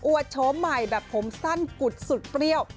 วดโฉมใหม่แบบผมสั้นกุดสุดเปรี้ยว